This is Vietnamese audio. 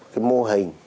cái mô hình